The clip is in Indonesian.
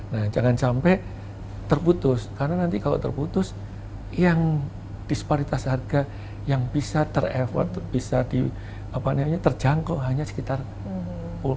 nah jangan sampai terputus karena nanti kalau terputus yang disparitas harga yang bisa tereffort bisa terjangkau hanya sekitar rp sepuluh